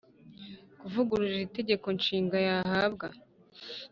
Kuvugurura itegeko nshinga yahabwa